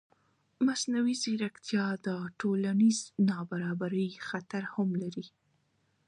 مصنوعي ځیرکتیا د ټولنیز نابرابرۍ خطر هم لري.